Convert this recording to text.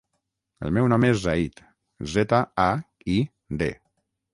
El meu nom és Zaid: zeta, a, i, de.